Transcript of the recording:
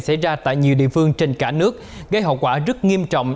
xảy ra tại nhiều địa phương trên cả nước gây hậu quả rất nghiêm trọng